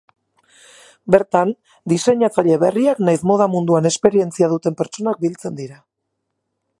Bertan diseinatzaile berriak nahiz moda munduan esperientzia duten pertsonak biltzen dira.